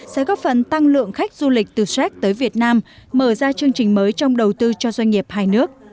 sẽ góp phần tăng lượng khách du lịch từ séc tới việt nam mở ra chương trình mới trong đầu tư cho doanh nghiệp hai nước